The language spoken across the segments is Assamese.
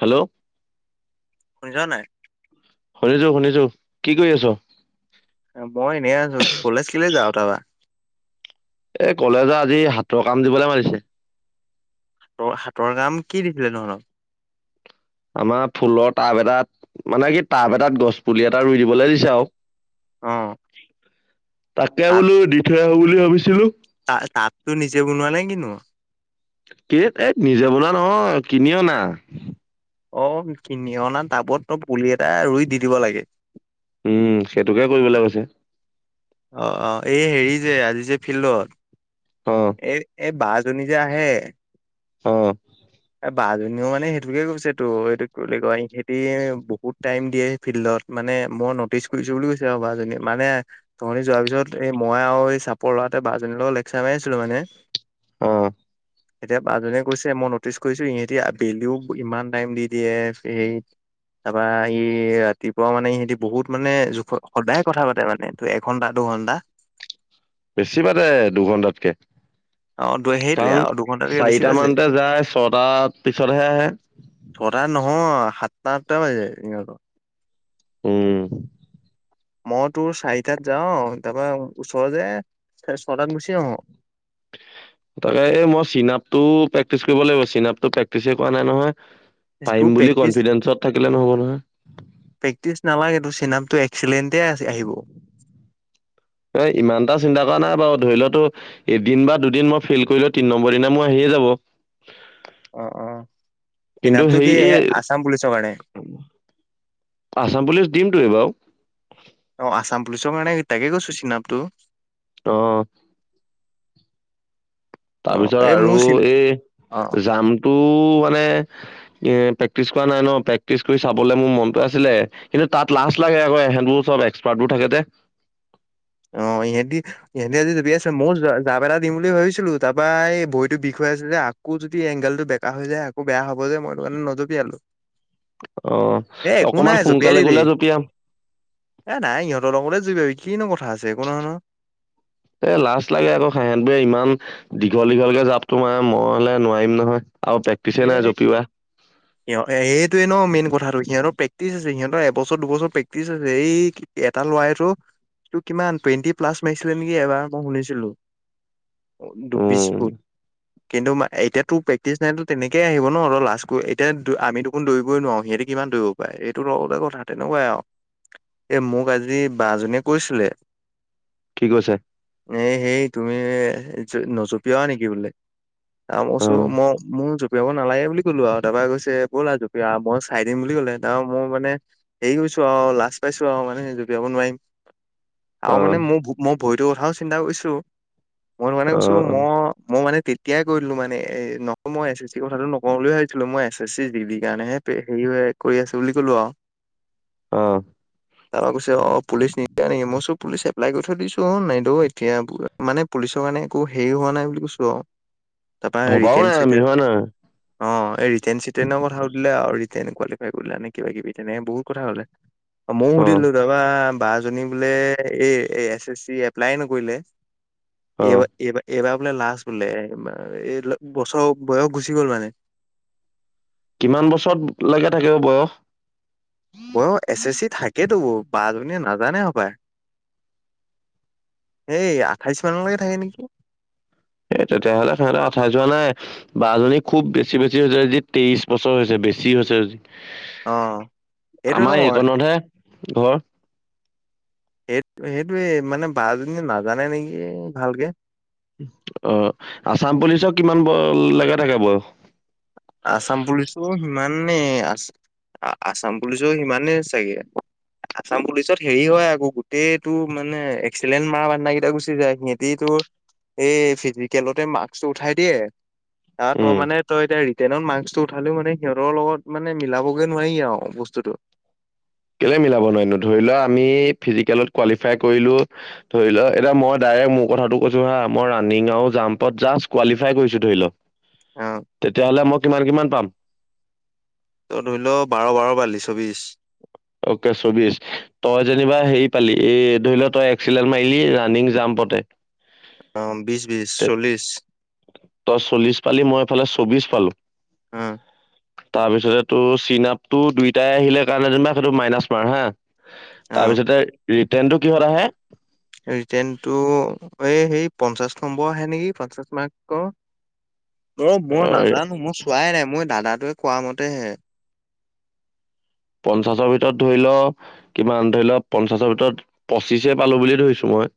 হেল্ল' শুনিছো নাই? শুনিছো, শুনিছো, কি কৰি আছো? মই এনেই আছো, কলেজ কিলে যাওঁ তাৰপা। এ কলে যে আজি হাতৰ কাম দিবলৈ মাৰিছে। হাতৰ হাতৰ কাম কি দিছিলে নহ আমাৰ ফুলৰ টাব এটাত, মানে কি টাব এটাত গছ পুলি এটা ৰুই দিবলৈ দিছে আৰু। অ'। তাকে বোলো দি থৈ আহো বুলি ভাবিছিলো। ত তাততো নিজে বনোৱা নাই কিনো? ক এই নিজে বলা নহয় কিনি অনা। অ' কিনি অনা টাবত তই পুলি এটা ৰুই দি দিব লাগে। উম সেইটোকে কৰিবলৈ কৈছে। অ' অ' এই হেৰি যে আজি যে ফিল্ডত অ এই এই বাছ য নি যে আহে। অ'। এ বা জনীও মানে সেইটোকে কৈছে তো এইটো কি বুলি কয় ইহেতি বহুত টাইম দিয়ে ফিল্ডত মানে মই ন'টিচ কৰিছো বুলি কৈছে আৰু বা জনী মানে তননি যোৱাৰ পিছত এই মই আৰু এই চাপৰ লৰা লেক চামাই আছিলো মানে। অ এতিয়া বাজনীয়ে কৈছে মনত কৰিছো ইহঁতি আবেলিও ইমান টাইম দি দিয়ে স তাৰপৰা ই ৰাতিপুৱা মানে সিহঁতি বহুত মানে জোখ সদায় কথা পাতে মানে তোৰ এঘন্টা [inaudible] বেছি পায় দে দুঘন্টাতকে। [inaudible] সেইটোয়ে তাহন আৰু দুঘন্টাতকে বেছি চাৰিটা পাইছে মানতে যায় ছটাৰ পিছতহে আহে। ছটা নহয় সাতটা আঠটা বাজি যায়। উম। মই তোৰ চাৰিটাত যাও তাৰপৰা ওচৰ যে ছটাত গুচি আহো। [inaudible] তাকে এই মই চিন আপতটো প্ৰেক্টিচ কৰিব লাগিব চিন আপ টো প্ৰেক্টিচ কৰা নাই নহয়। তোৰ পাৰিম বুলি প্ৰেক্টিচ কনফিডেন্সত থাকিলে নহ'ব নহয়। নালাগেটো চিনামটো এক্সিলেণ্টে আছ আহিব। এ ইমান এটা চিন্তা কৰা নাই বাৰু ধৰি লওতো এদিন বা দুদিন মই ফেইল কৰিলো তিন নম্বৰ দিনা মই আহি যাব। অ অ কিন্তু এনামটো হেৰি কি এই আসাম পুলিচৰ কাৰণে? আচাম পুলিচ দিমটো এইবাও। অঁ আছাম পুলিচৰ কাৰণে তাকে কৈছো চিনাপটো। অ', অ তাৰপিছত এই আৰু মোৰ চিন এই, অ জামটো মানে এ। প্ৰেক্টিচ কৰা নাই ন প্ৰেক্টিচ কৰি চাবলৈ মোৰ মনটো আছিলে, কিন্তু তাত লাষ্ট লাগে আকৌ এহেঁতবোৰ চব এক্সপাৰ্ট। থাকে দে। [inaudible] অ', ইহঁতি-ইহঁতি আজি জুপি আছে মই জাপ এটা দিম বুলি ভাবিছিলো তাৰ পৰাই এই ভৰিতো বিষ। যে আকৌ যদি এংগলটো বেকা হৈ যায় আকৌ বেয়া হ'ব যে, মইটো কাৰণে নজপি আালো। অ', অকমান সোনকালে দিবি গলে জঁপিয়াম। এ, নাই ইহঁতৰ লগতে [unintelligible] কিনো কথা। আছে একো নহয় নহয় [inaudible] এ, লাজ লাগে আকৌ ইহঁতে ইমান দি দীঘল দীঘলকে জাপ তো মাৰা, মই হলে নোৱাৰিম নহয়। আৰু প্ৰেক্টিচে এ, নাই জঁপিওৱা এইটোৱেটো ন মেইন কথাটো সিহঁতৰ প্ৰেক্টিচ আছে সিহঁত এবছৰ দুবছৰ প্ৰেক্টিচ আছে এই এটা ল'ৰাইটো টোৰ কিমান টুৱেণ্টি প্লাছ মাৰিছিলে নেকি, এবাৰ মই শুনিছিলো। দুপিশ উম ফুট, কিন্তু এতিয়াতো প্ৰেক্টিচ নাইটো তেনেকেই আহিব ন অলপ লাজকৈ এতিয়া আমিত দেখোনৌবই নোৱাৰো সিহতে কিমান দৌব পাৰে এইটো লগতে কথা মোক আজি বা জনীয়ে কৈছিলে। কি কৈছে? এই হেই তুমি নজপিওৱা নেকি বোলে আৰু চাপা মই অ কৈছো মই মোৰ জঁপিয়াব নালাগে বুলি ক'লো আৰু তাৰপৰা কৈছে ব'লা জপিয়া মই চাই দিম বুলি কলে তাৰ মই মানে হেৰি কৈছো আও লাজ পাইছো আও মানে স জুপিয়াব নোৱাৰিম। আৰু অ মানে মো মোৰ ভৰিটোৰ কথাও চিন্তা কৰিছো। মই মানে কৈছো অ', ম মই মানে তেতিয়াই কৰিলো মানে এ মই এছ এছ চি কথাটো নকওঁ বুলি ভাবিছিলো মই এছ এছ চি ডিগ্ৰ্ৰী কাৰণেহে হেৰি কৰি আছো বুলি কলো আও। [inaudible] অঁ। তাৰপৰা কৈছে অ পুলিচ নিদিয়া নেকি মই কৈছো পুলিচ এপ্লাই কৰি থৈ দিছো আও নেদো এতিয়া, মানে পুলিচ ত' মানে একো হেৰি হোৱা নাই বুলি কৈছো আও। তাৰপৰা ভবাও ৰিতেন নাই আমি চিতেন, হয় নাই অ ৰিতেন চিতেনৰ কথা সুধিলে আৰু। নে কুৱিফাই কৰিলা নে কিবা কিবি তেনেকে বহুত কথা হলে ময়ো অ', সুধিলো দাবা বা জনী বোলে এই এছ এছ চি এপ্লাই নকৰিলে অ', এইবাৰ এইবাৰ এইবাৰ বোলে লাষ্ট বোলে, এই বছৰ বয়স গুচি গ'ল মানে। কিমান বছৰত লেকে থাকিব বয়স? বয়স এছ এছ চি থাকেটো বা নে নাজানে হপায়, সেইয়া এই তেতিয়াহলে [unintelligible] যোৱা নাই। বা জনী খুব বেছি বেছি হৈছে আজি তেইশ বছৰ হৈছে বেছি হৈছে আজি। অ সেইটো আমাৰ নহয় এইকণতহে ঘৰ। এই-সেইটোয়ে মানে বাজনীয়ে নাজানে নেকি ভালকে? অ', আছাম পুলিচক কিমান [unintelligible] লাগা থাকে বয়স। আছাম পুলিচো সিমানে আছে। আছাম পুলিচো সিমানেই চাগে। আছাম পুলিচত হেৰি হয় আকৌ গোটেইটো মানে এক্সিলেণ্ট মা বাননাকেইটা গুচি যায় সিহঁতি তোৰ এই ফিজিকেলতে মাৰ্কছটো উঠাই দিয়ে তাত তই উম, মানে তই এতিয়া টেনত মাৰ্কছটো উঠালেও মানে সিহঁতৰ লগত মানে মিলাবগৈ নোৱাৰি আৰু বস্তুতটো। কেলে মিলাব নোৱাৰিম নো ধৰি লোৱা, আমি ফিজিকেলত কোৱালিফাই কৰিলো, ধৰি লোৱা এতিয়া মই এ, মোৰ কথাটো কৈছো হা মই ৰানিং আৰু জামপত জাচ কোৱালিফাই কৰিছো ধৰি ল। অ তেতিয়াহ'লে মই কিমান, কিমান পাম ত ধৰি লও বাৰ বাৰ বাল্লিছ বিশ। অকে চৌবিশ তই যেনিবা হেৰি পালি এই ধৰি লও তই এক্সিলেণ্ট মাৰিলি ৰানিং জাম অ', বিশ বিশ [unintelligible] তই চল্লিশ চল্লিছ পালি মই ফালে চৌ্ববিশ পালো। উম। তাৰপিছতে তোৰ চিন আপতটো দুইটাই আহিলে কাৰণে যেনিবা সেইটো মাইনাচ মাৰ হা। অ', তাৰপিছতে ৰিটাৰ্ণটো কিহত আহে? ৰিটেনটো এই সেই পঞ্চাশ নম্বৰ আহে নেকি পঞ্চাশ মাৰ্ক ক। অ' মই নাজানো মই চোৱাই নাই মই দাদাটোৱে কোৱা মতে হে। পঞ্চাশৰ ভিতৰত ধৰি লও কিমান ধৰি লও পঞ্চাশৰ ভিতৰত পঁচিশে পালো বুলিয় ধৰিছো মই।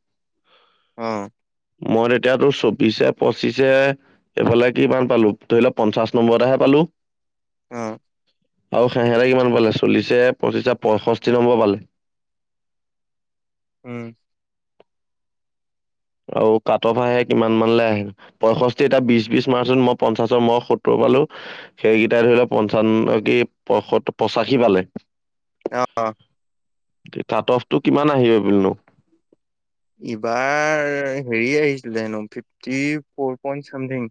অহ। মই তেতিয়াতো চৌবিশে পঁচিশে এইফালে কি ইমান পালো ধৰি লোৱা পঞ্চাশ নম্বৰতেহে পালো। [unintelligible] আহ। আৰু খেহেৰা কিমান পালে আছে? চল্লিশে পঁচিশে পয়ষষ্ঠি নম্বৰ পালে উম, আৰু কাট অফ আহে কিমান মানলৈ আহে পয়ষষ্ঠি এতিটা বিশ, বিশ মাৰ্চত মই পঞ্চাশৰ মই সত্তৰ পালো সেইকেইটাই ধৰি লও পঞ্চান্নে পত পঁচাশী পালে। অ', কাট অফটো কিমান আহিব পনো। ইবাৰ হেৰি আহিছিলে হেনো ফিফটি ফৰ পইন্ট চামথিং।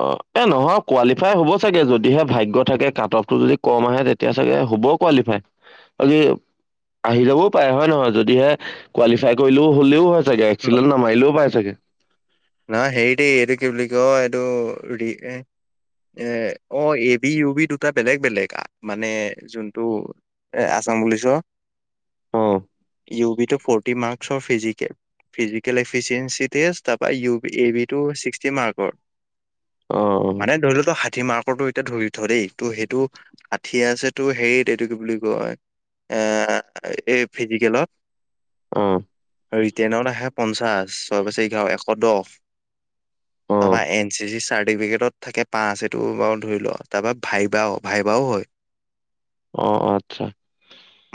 অ' এ নহয় কোৱালিফাই হ'ব চাগে যদিহে ভাগ্য থাকে কাট অফটো যদি কম আহে তেতিয়া চাগে হ'ব কোৱালিফাই খা আহি যাবও পাৰে হয় নহয় যদিহে কোৱালিফাই কৰিলেও হ'লেও চাগে এক্ছিল নামাৰিলও পাই চাগে। ন সেইট এইটো কি বুলি ক এইটো এ অ' এ বি ইউ বি দুটা বেলেগ বেলেগ মানে যোনটো এ আ অ, ' শুনিছ অ উবি টো ফোৰ্টিমাৰস্কৰ ফিজিক্স ফিজিকেল এফিচিয়েঞ্চিে তাৰ ই এ বি ট ছিক্সটি মাৰ্কৰ অ মানে ধৰি লতো ষঠি মাৰ্কটো এতিয়া ধৰি থ দেই ত সেইটো ষাঠি আছে তো হেৰিত এইটো কি বুলি কয়। এ এই ফিজিকেলত। অ ৰিটাৰনত আহে পঞ্চাশ চ পাছএ এঘাৰ অ পদবা এন চি চি চাৰ্টিফিকেটত থাকে পাঁচ এইটো বাৰু ধৰি লওঁ তাৰপৰা ভাইবাও ভাইবাও হয়। অ আচ্ছা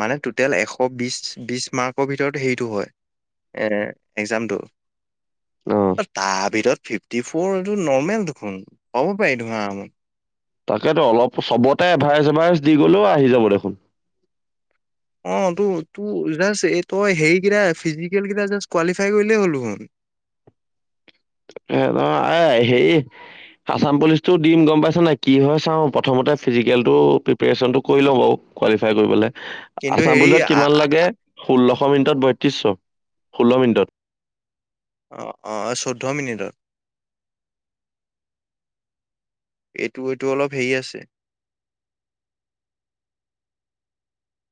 মানে টটেল এশ। আকৌ বিশ, বিশ মাৰ্কৰ ভিতৰত হেৰিটো হয় এক্সাম টো অহ। তাৰ ভিতৰত ফিফটি ফৰ এইটো নৰ্মেল দেখোন ক'ব পাৰি ধৰা আম তাকেতো অলপ চবতে এভাৰেজ এভাৰেজ দি গ'লেও আহি যাব দেখোন। অ' ত তোৰ জাষ্ট এই তই হেৰিকেইটা ফিজিকেল কেইটাষ্ট কোৱালিফাই কৰিলেই হ'ল দেখোন। [inaudible] এ নহ আ সেই আছাম পুলিচটো দিম গম পাইছ নাই কি হয় চাওঁ প্ৰথমতে ফিজিকেলটো প্ৰিপচনটো কৰি লওঁ বাৰু। কালিফাই কৰিবলৈ কিন্তু আছাম হেৰি পুলিচত আ- কিমান আ- লাগে? ষোল্লশ মিনিটত বয়ত্ৰিছশ, ষোল্ল মিনিটত। অ' অ' চৈধ্য মিনিটত। এইটো এইটো অলপ হেৰি আছে।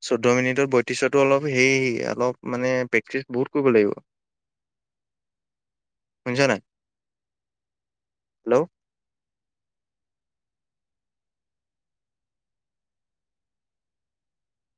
চৈধ্য মিনিটৰ বয়ত্ৰিশতো অলপ সে অলপ মানে প্ৰেক্টিচ বহুত কৰিব লাগিব। বুজা নাই। হেল্ল'।